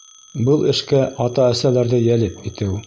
Был эшкә ата-әсәләрҙе йәлеп итеү.